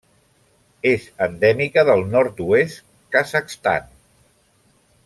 És endèmica del nord-oest Kazakhstan.